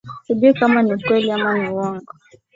Sijui kama ni ukweli ama ni uongo.